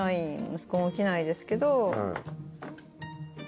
息子も起きないですけど。